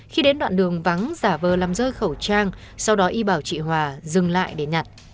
khi đến đoạn đường vắng giả vờ làm rơi khẩu trang sau đó y bảo chị hòa dừng lại để nhặt